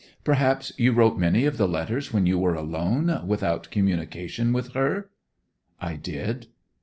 'Perhaps you wrote many of the letters when you were alone, without communication with her?' 'I did.